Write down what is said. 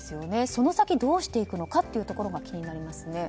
その先どうしていくのかが気になりますね。